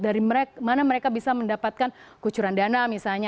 dari mana mereka bisa mendapatkan kucuran dana misalnya